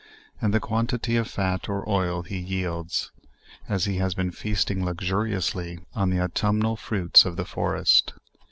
and the quantity of fat or oil he yields, as he has been feasting luxuriously on the au tumnal fruits of the forest.